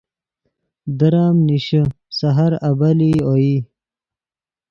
در ام نیشے سحر ابیلئی اوئی